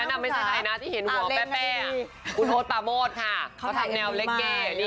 แต่แต่คนนั้นไม่ใช่ใครนะที่เห็นหัวแป๊ะคุณโอ๊ตปะโมดค่ะเขาทำแนวเล็กเกย์นี่ไง